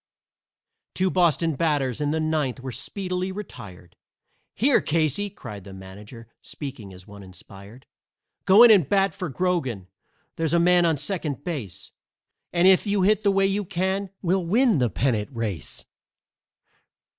Two Boston batters in the ninth were speedily retired, "Here, Casey!" cried the manager, speaking as one inspired, "Go in and bat for Grogan! There's a man on second base, And if you hit the way you can we'll win the pennant race."